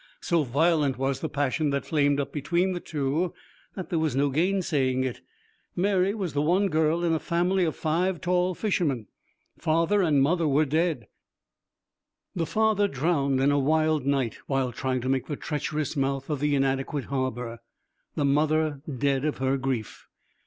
So violent was the passion that flamed up between the two that there was no gainsaying it. Mary was the one girl in a family of five tall fishermen. Father and mother were dead the father drowned in a wild night while trying to make the treacherous mouth of the inadequate harbour, the mother dead of her grief.